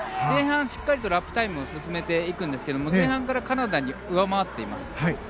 前半しっかりとラップタイムを進めていくんですが前半からカナダを上回っています。